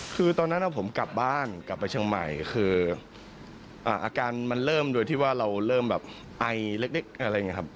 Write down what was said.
คือตอนนั้นผมกลับบ้านกลับไปเชียงใหม่คืออาการมันเริ่มโดยที่ว่าเราเริ่มแบบไอเล็กอะไรอย่างนี้ครับ